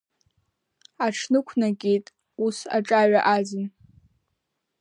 Аҽнықәнакит ус аҿаҩа аӡын.